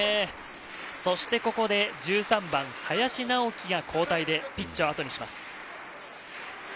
そしてここで１３番・林尚樹が交代でピッチをあとにします。